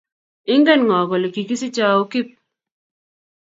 Ingen ngo kole kigisiche au Kip?